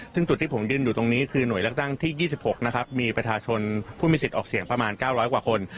ซึ่งจุดที่ผมยืนอยู่ตรงนี้คือหน่วยเลือกตั้งที่๒๖นะครับมีประชาชนผู้มีสิทธิ์ออกเสียงประมาณ๙๐๐กว่าคน